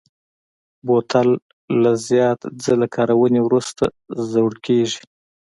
بوتل له زیات ځله کارونې وروسته زوړ کېږي.